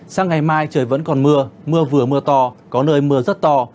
sang ngày mai trời vẫn còn mưa mưa vừa mưa to có nơi mưa rất to